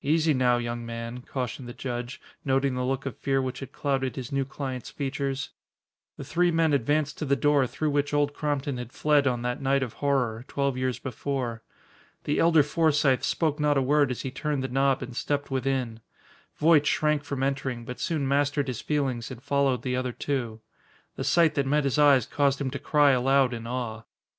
"Easy now, young man," cautioned the judge, noting the look of fear which had clouded his new client's features. The three men advanced to the door through which Old Crompton had fled on that night of horror, twelve years before. The elder Forsythe spoke not a word as he turned the knob and stepped within. Voight shrank from entering, but soon mastered his feelings and followed the other two. The sight that met his eyes caused him to cry aloud in awe.